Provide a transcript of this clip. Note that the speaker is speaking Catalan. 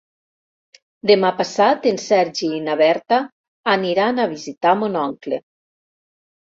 Demà passat en Sergi i na Berta aniran a visitar mon oncle.